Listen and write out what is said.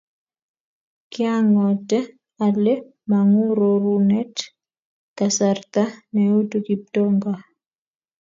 kionget ale mong'u rorunet kasarta neitu Kiptoo gaa